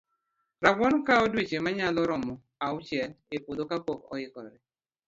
Rabuon kawo dueche manyalo romo auchiel e puodho ka pok oikore